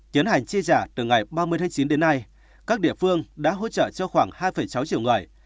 tiến hành chi trả từ ngày ba mươi tháng chín đến nay các địa phương đã hỗ trợ cho khoảng hai sáu triệu người